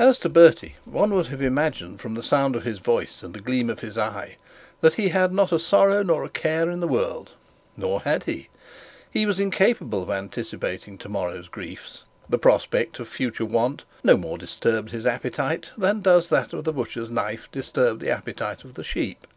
As to Bertie, one would have imagined from the sound of his voice and the gleam of his eye that he had not a sorrow nor a care in the world. Nor had he. He was incapable of anticipating tomorrow's griefs. The prospect of future want no more disturbed his appetite than does that of the butcher's knife disturb the appetite of the sheep.